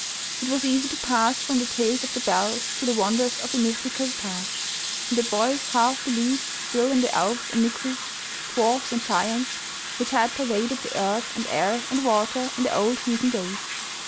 It was easy to pass from the tales of the bells to the won ders of the mythical past, and the boys half believed still in the elves and nixies, dwarfs and giants, which had pervaded the earth and air and water in the old heathen days.